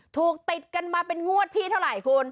ถูกติดกันมาเป็นงวดที่เท่าไหร่คุณ